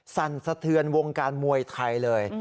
สั่นสะเทือนวงการมวยไทยเลย